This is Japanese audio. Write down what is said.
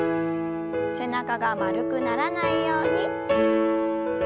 背中が丸くならないように。